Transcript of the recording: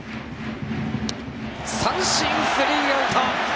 三振、スリーアウト！